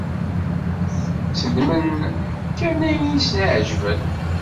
Tteddmen kan ayen i sen-iɛeǧben.